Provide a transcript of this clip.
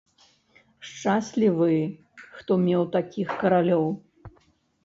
Шчаслівы, хто меў такіх каралёў!